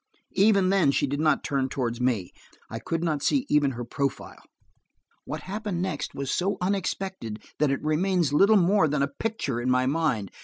Even then she did not turn toward me; I could not see even her profile. What happened next was so unexpected that it remains little more than a picture in my mind.